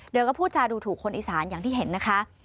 โดยก็พูดจาดูถูกคนอีสานอย่างที่เห็นนะคะ